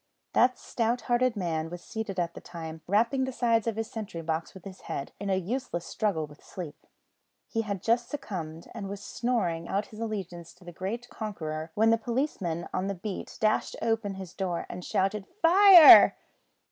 That stout hearted man was seated at the time rapping the sides of his sentry box with his head, in a useless struggle with sleep. He had just succumbed, and was snoring out his allegiance to the great conqueror, when the policeman on the beat dashed open his door and shouted "Fire!"